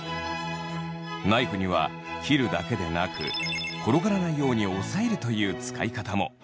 ナイフには切るだけでなく転がらないように押さえるという使い方も。